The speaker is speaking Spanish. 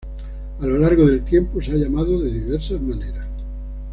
A lo largo del tiempo se ha llamado de diversas maneras.